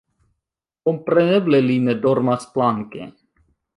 Kompreneble, li ne dormas planke.